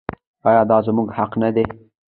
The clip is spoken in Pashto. آیا دا زموږ حق نه دی؟